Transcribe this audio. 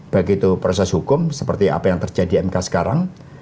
begitu proses hukum seperti apa yang terjadi mk sekarang